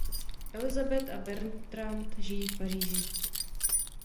Elizabeth a Bertrand žijí v Paříži.